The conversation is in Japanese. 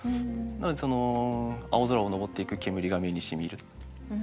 なのでその青空を上っていく煙が目にしみる。